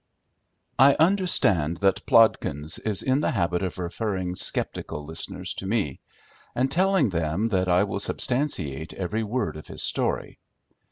I understand that Plodkins is in the habit of referring sceptical listeners to me, and telling them that I will substantiate every word of his story.